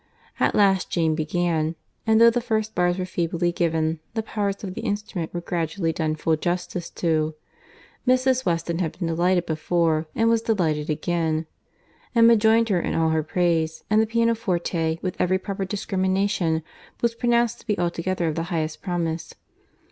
At last Jane began, and though the first bars were feebly given, the powers of the instrument were gradually done full justice to. Mrs. Weston had been delighted before, and was delighted again; Emma joined her in all her praise; and the pianoforte, with every proper discrimination, was pronounced to be altogether of the highest promise.